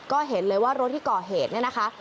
ก็เห็นเลยว่ารถที่ก่อเหตุเนี่ยนะคะ